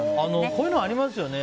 こういうのありますよね。